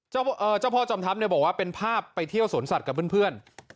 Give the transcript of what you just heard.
เจ้าพ่อจอมทัพเนี่ยบอกว่าเป็นภาพไปเที่ยวสวนสัตว์กับเพื่อน